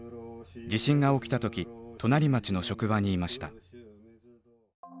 地震が起きた時隣町の職場にいました。